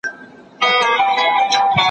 د پښتو ډیجیټل کول یو ملي ضرورت دی.